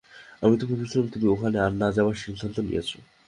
আমি তো ভেবেছিলাম তুমি ওখানে আর না যাবার সিদ্ধান্ত নিয়েছ।